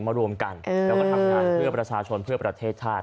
ได้มาทำงานเพื่อประชาชนเพื่อประเทศชาติ